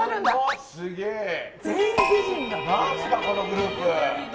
このグループ。